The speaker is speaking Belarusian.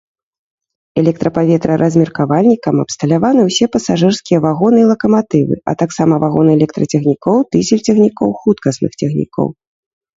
Электрапаветраразмеркавальнікам абсталяваны усе пасажырскія вагоны і лакаматывы, а таксама вагоны электрацягнікоў, дызель-цягнікоў, хуткасных цягнікоў.